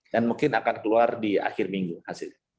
dan mungkin akan keluar di akhir minggu hasilnya